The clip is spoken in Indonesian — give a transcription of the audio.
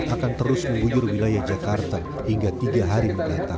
akan terus memujur wilayah jakarta hingga tiga hari berlatar